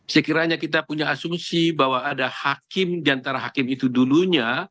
sekiranya kita punya asumsi bahwa ada hakim diantara hakim itu dulunya